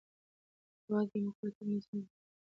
يوازي ډيموکراټيک نظام د ټولني د ژغورلو لار ده.